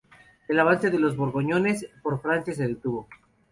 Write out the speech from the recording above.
El avance de los borgoñones por Francia se detuvo.